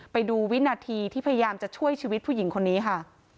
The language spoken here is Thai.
ไปดูวินาทีที่พยายามจะช่วยชีวิตผู้หญิงคนนี้ค่ะ